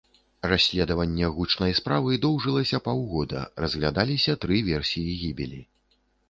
Расследаванне гучнай справы доўжыўся паўгода, разглядаліся тры версіі гібелі.